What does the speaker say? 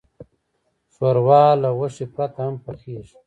ښوروا له غوښې پرته هم پخیږي.